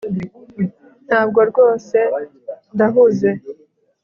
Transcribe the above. Ntabwo rwose ndahuze